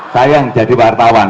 sayang jadi wartawan